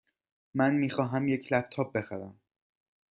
من می خواهم یک لپ تاپ بخرم.